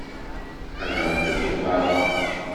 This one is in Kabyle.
Ad ṛjuɣ deg beṛṛa.